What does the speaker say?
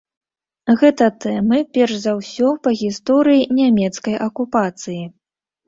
Гэта тэмы, перш за ўсё, па гісторыі нямецкай акупацыі.